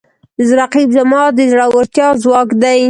رقیب زما د زړورتیا ځواک دی